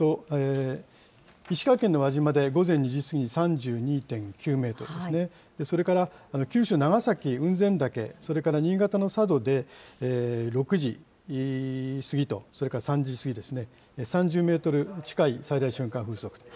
石川県の輪島で午前２時過ぎに３２．９メートルですね、それから九州、長崎・雲仙岳、それから新潟の佐渡で６時過ぎと、それから３時過ぎですね、３０メートル近い最大瞬間風速と。